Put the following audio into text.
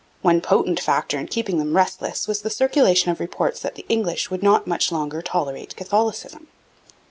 One potent factor in keeping them restless was the circulation of reports that the English would not much longer tolerate Catholicism.